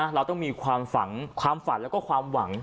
เราต้องมีความฝันแล้วก็ความหวัง